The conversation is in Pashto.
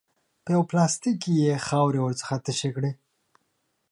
په یوه پلاستیک کې یې خاورې ورڅخه تشې کړې.